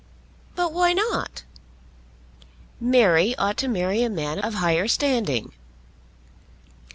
"But why not?" "Mary ought to marry a man of higher standing."